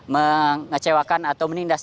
mengecewakan atau meninggalkan